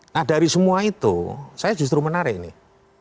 nah dari semua itu saya justru menarik nih